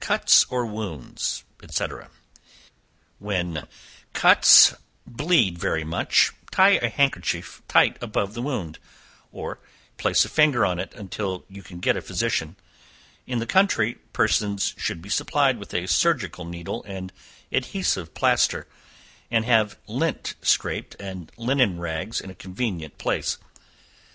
Cuts or Wounds, &c. When cuts bleed very much, tie a handkerchief tight above the wound, or place a finger on it until you can get a physician: in the country, persons should be supplied with a surgical needle and adhesive plaster, and have lint scraped and linen rags in a convenient place.